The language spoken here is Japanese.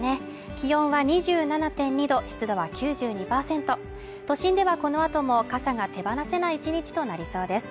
気温は２７．２度、湿度は９２％都心ではこの後も傘が手放せない１日となりそうです。